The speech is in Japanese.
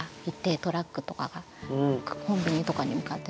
トラックとかがコンビニとかに向かって。